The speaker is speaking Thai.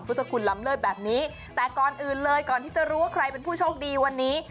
พุทธคุณลำเลิศแบบนี้แต่ก่อนอื่นเลยก่อนที่จะรู้ว่าใครเป็นผู้โชคดีวันนี้